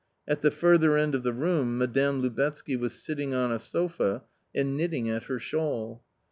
At the further end of the room Madame Lubetzky was sitting on a sofa and knitting at her shawl.